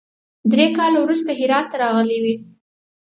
درې کاله وروسته هرات راغلی وي.